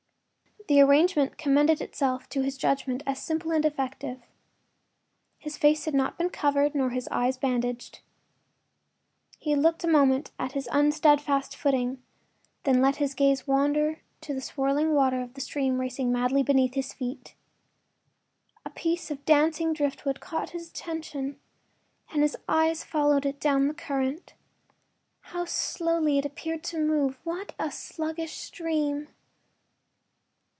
The arrangement commended itself to his judgement as simple and effective. His face had not been covered nor his eyes bandaged. He looked a moment at his “unsteadfast footing,” then let his gaze wander to the swirling water of the stream racing madly beneath his feet. A piece of dancing driftwood caught his attention and his eyes followed it down the current. How slowly it appeared to move! What a sluggish stream!